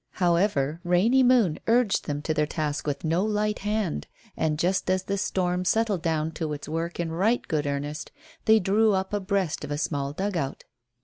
However, Rainy Moon urged them to their task with no light hand, and just as the storm settled down to its work in right good earnest they drew up abreast of a small dugout.